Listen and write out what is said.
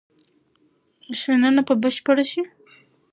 شننه به بشپړه شي.